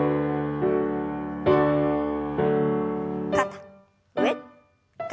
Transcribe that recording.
肩上肩下。